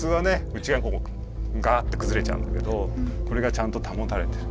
うちがわにこうガーッてくずれちゃうんだけどこれがちゃんと保たれてる。